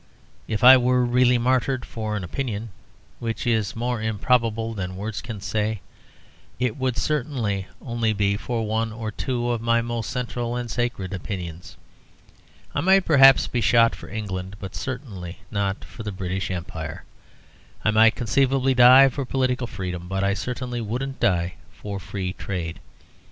If I were really martyred for an opinion (which is more improbable than words can say), it would certainly only be for one or two of my most central and sacred opinions. I might, perhaps, be shot for England, but certainly not for the British Empire. I might conceivably die for political freedom, but I certainly wouldn't die for Free Trade.